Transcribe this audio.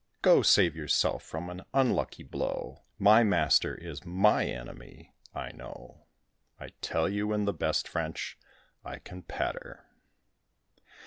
Go, save yourself from an unlucky blow; My master is my enemy, I know: I tell you in the best French I can patter."